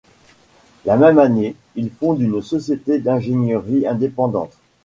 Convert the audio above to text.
La même année, il fonde une société d'ingénierie indépendante.